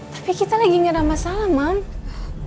tapi kita lagi gak ada masalah mau